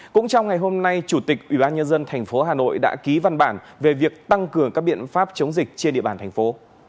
cũng trong ngày hôm nay chủ tịch ủy ban nhân dân tp hà nội đã ký văn bản về việc tăng cường các biện pháp chống dịch trên địa bàn thành phố